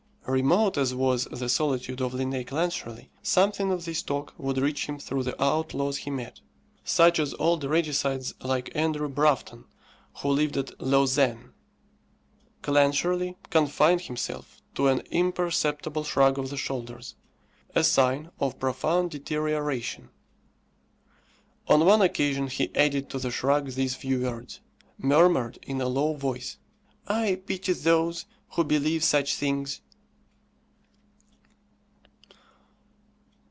Remote as was the solitude of Linnæus Clancharlie, something of this talk would reach him through the outlaws he met, such as old regicides like Andrew Broughton, who lived at Lausanne. Clancharlie confined himself to an imperceptible shrug of the shoulders, a sign of profound deterioration. On one occasion he added to the shrug these few words, murmured in a low voice, "I pity those who believe such things."